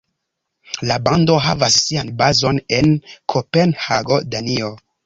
La bando havas sian bazon en Kopenhago, Danio.